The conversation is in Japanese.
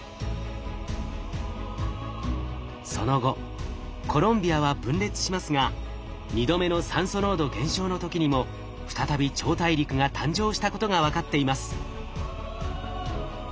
その後コロンビアは分裂しますが２度目の酸素濃度減少の時にも再び超大陸が誕生したことが分かっています。